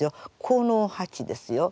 この８ですよ。